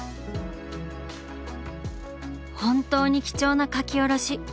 本当に貴重な描き下ろし！